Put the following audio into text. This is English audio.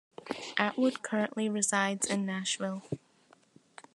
Atwood currently resides in Nashville.